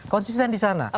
konsisten di sana